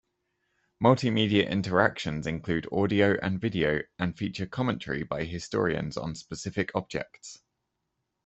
Multimedia interactions include audio and video, and feature commentary by historians on specific objects.